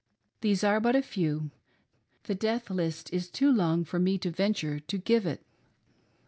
These are but a few. The death list is too long for me to venture to give it.